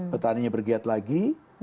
petaninya bergiat lagi